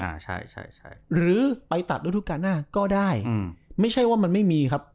อ่าใช่หรือไปตัดรูปรูปการณ์หน้าก็ได้ไม่ใช่ว่ามันไม่มีครับ